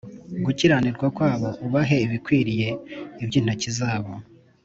Gukiranirwa kwabo ubahe ibikwiriye ibyo intoki zabo